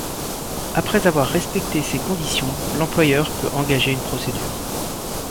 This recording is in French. Après avoir respecté ces conditions, l'employeur peut engager une procédure.